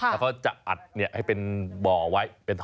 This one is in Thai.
แล้วเขาจะอัดให้เป็นบ่อไว้เป็นท่อ